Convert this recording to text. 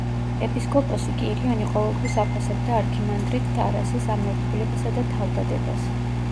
ეპისკოპოსი კირიონი ყოველთვის აფასებდა არქიმანდრიტ ტარასის ამ ერთგულებასა და თავდადებას.